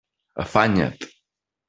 Afanya't!